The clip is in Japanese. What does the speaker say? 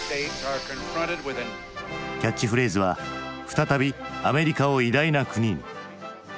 キャッチフレーズは「再びアメリカを偉大な国に」。